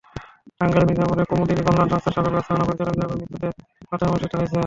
টাঙ্গাইলের মির্জাপুরে কুমুদিনী কল্যাণ সংস্থার সাবেক ব্যবস্থাপনা পরিচালক জয়াপতির মৃত্যুতে প্রার্থনাসভা অনুষ্ঠিত হয়েছে।